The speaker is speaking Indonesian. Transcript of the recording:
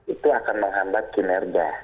itu akan menghambat kinerja